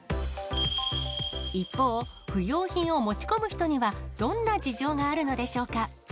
一方、不用品を持ち込む人にはどんな事情があるのでしょうか。